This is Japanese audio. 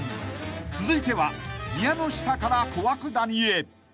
［続いては宮ノ下から小涌谷へ］